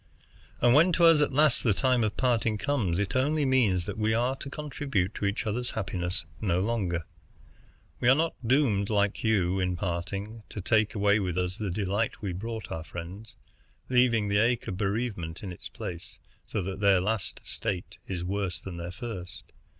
And when to us at last the time of parting comes, it only means that we are to contribute to each other's happiness no longer. We are not doomed, like you, in parting, to take away with us the delight we brought our friends, leaving the ache of bereavement in its place, so that their last state is worse than their first.